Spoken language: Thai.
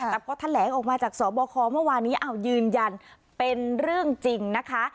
แต่พอแถลงออกมาจากสบคเมื่อวานนี้ยืนยันเป็นเรื่องจริงนะคะ